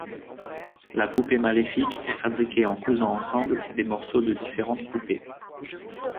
La poupée maléfique est fabriquée en cousant ensemble des morceaux de différentes poupées.